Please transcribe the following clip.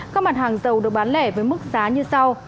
các mặt hàng dầu được bán lẻ với mức giá như sau